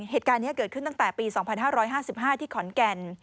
เหตุการณ์นี้เกิดขึ้นตั้งแต่ปี๒๕๕๕ที่ขอนแก่น